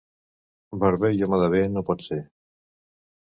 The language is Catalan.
Barber i home de bé no pot ser.